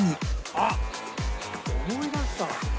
「あっ思い出した」